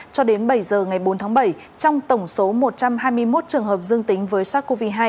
cho đến bảy giờ ngày bốn tháng bảy trong tổng số một trăm hai mươi một trường hợp dương tính với sars cov hai